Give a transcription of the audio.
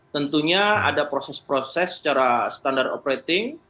tentunya ada proses proses secara standar operating